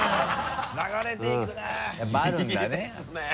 流れていくね！